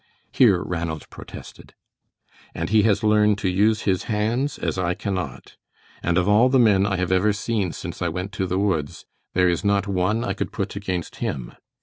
Here Ranald protested. "And he has learned to use his hands as I cannot. And of all the men I have ever seen since I went to the woods, there is not one I could put against him.